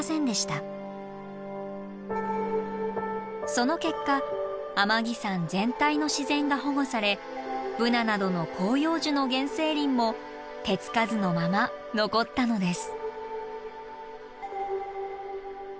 その結果天城山全体の自然が保護されブナなどの広葉樹の原生林も手付かずのまま残ったのです。